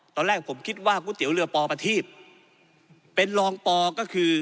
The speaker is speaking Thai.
ตอนแรกผมคิดว่าก๋วยเตี๋ยวเรือปอประทีบเป็นรองปอก็คือ